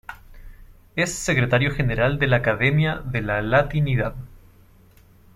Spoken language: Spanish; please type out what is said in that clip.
Es secretario general de la Academia de la Latinidad.